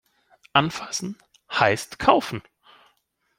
Anfassen heißt kaufen.